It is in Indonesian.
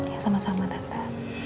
ya sama sama tante